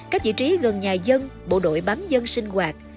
các vị trí gần nhà dân bộ đội bám dân sinh hoạt